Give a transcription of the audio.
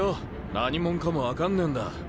何者かも分かんねえんだ。